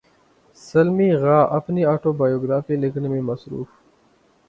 سلمی غا اپنی اٹوبایوگرافی لکھنے میں مصروف